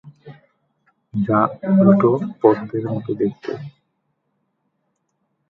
যা উল্টো পদ্মের মতো দেখতে।